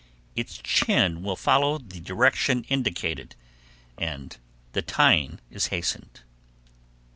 Its chin will follow the direction indicated, and the tying is hastened.